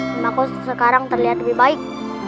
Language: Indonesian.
semoga aku sekarang terlihat lebih baik